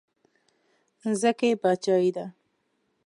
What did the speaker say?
ځکه یې باچایي ده.